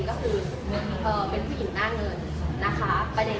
อยากให้ตัดออกไปเลยน้องไม่ได้เรียกรองเรื่องเงิน